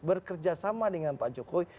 bekerja sama dengan pak jokowi